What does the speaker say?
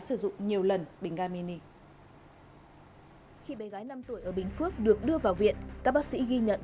sử dụng nhiều lần bình ga mini khi bé gái năm tuổi ở bình phước được đưa vào viện các bác sĩ ghi nhận